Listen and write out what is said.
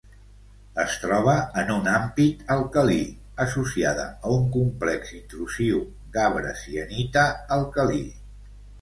Es troba en un ampit alcalí, associada a un complex intrusiu gabre-sienita alcalí.